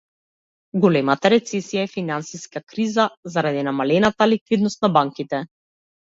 Големата рецесија е финансиска криза заради намалената ликвидност на банките.